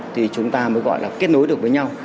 thì chúng ta mới gọi là kết nối được với nhau